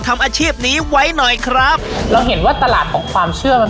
ทำอาชีพนี้ไว้หน่อยครับเราเห็นว่าตลาดของความเชื่อมัน